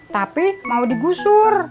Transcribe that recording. tapi mau digusur